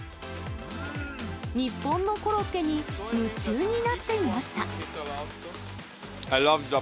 日本のコロッケに夢中になっていました。